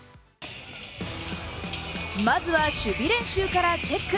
まずは守備練習からチェック。